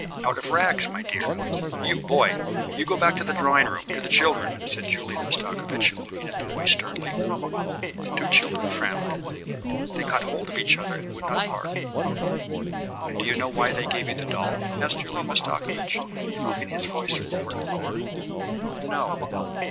"Out of rags, my dear. You, boy, you go back to the drawing room, to the children," said Julian Mastakovich looking at the boy sternly. The two children frowned. They caught hold of each other and would not part. "And do you know why they gave you the doll?" asked Julian Mastakovich, dropping his voice lower and lower. "No."